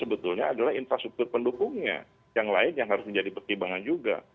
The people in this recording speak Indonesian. sebetulnya adalah infrastruktur pendukungnya yang lain yang harus menjadi pertimbangan juga